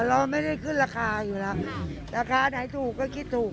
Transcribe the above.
เราไม่ได้ขึ้นราคาอยู่แล้วราคาไหนถูกก็คิดถูก